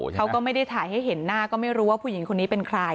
เขาก็ไม่ได้ถ่ายให้เห็นหน้าก็ไม่รู้ว่าผู้หญิงคนนี้เป็นใคร